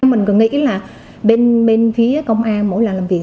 mình còn nghĩ là bên phía công an mỗi lần làm việc